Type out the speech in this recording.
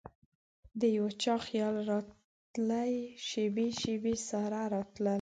دیو چا خیال راتلي شیبې ،شیبې سارا راتلله